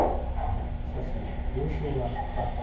しかし、病床はひっ迫。